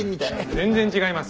全然違います！